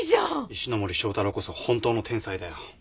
石ノ森章太郎こそ本当の天才だよ。